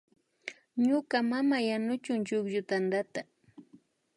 Ñuka mama yanukun chukllu tantata